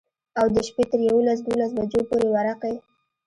او د شپي تر يوولس دولسو بجو پورې ورقې.